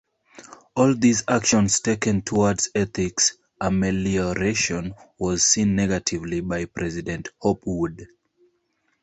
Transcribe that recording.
All these actions taken towards ethics amelioration was seen negatively by president Hopwood.